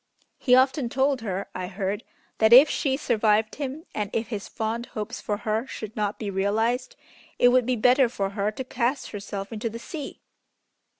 He often told her, I heard, that if she survived him, and if his fond hopes for her should not be realized, it would be better for her to cast herself into the sea."